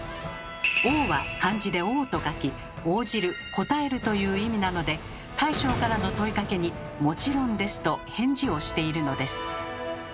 「オー」は漢字で「応」と書き「応じる」「応える」という意味なので大将からの問いかけに「もちろんです」と返事をしているのです。